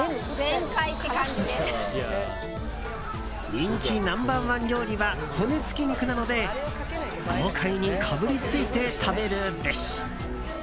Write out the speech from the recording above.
人気ナンバー１料理は骨付き肉なので豪快にかぶりついて食べるべし！